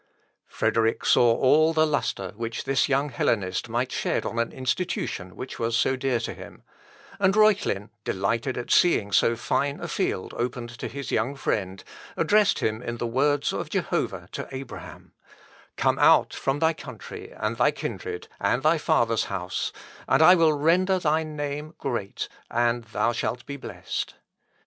Frederick saw all the lustre which this young Hellenist might shed on an institution which was so dear to him; and Reuchlin, delighted at seeing so fine a field opened to his young friend, addressed him in the words of Jehovah to Abraham, "_Come out from thy country, and thy kindred, and thy father's house, and I will render thy name great, and thou shalt be blessed.